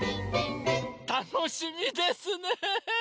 たのしみですね！